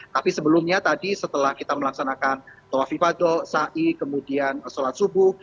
tapi sebelumnya tadi setelah kita melaksanakan tawak ifadoh sa'i kemudian sholat subuh